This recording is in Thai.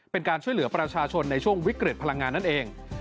เป็นการช่วยเหลือประชาชนในช่วงวิกฤตพลังงานนั่นเอง